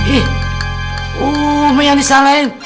ih umi yang disalahin